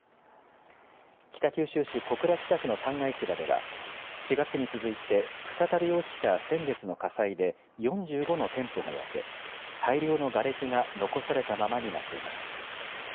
北九州市小倉北区の旦過市場では４月に続いて再び起きた先月の火災で４５の店舗が焼け大量のがれきが残されたままになっています。